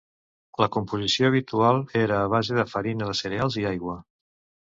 La composició habitual era a base de farina de cereals i aigua.